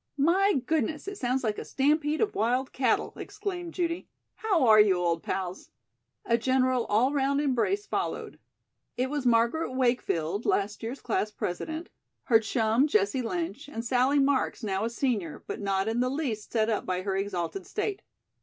"My goodness, it sounds like a stampede of wild cattle," exclaimed Judy. "How are you, old pals?" A general all round embrace followed. It was Margaret Wakefield, last year's class president; her chum, Jessie Lynch; and Sallie Marks, now a senior, but not in the least set up by her exalted state.